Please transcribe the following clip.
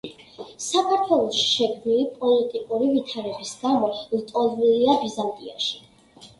საქართველოში შექმნილი პოლიტიკური ვითარების გამო ლტოლვილია ბიზანტიაში.